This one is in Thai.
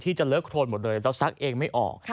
จะเลอโครนหมดเลยเราซักเองไม่ออก